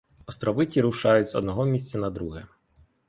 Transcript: Острови ті рушають з одного місця на друге.